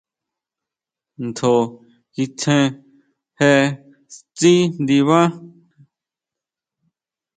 Tjon kikjen, jee tsí ndibá.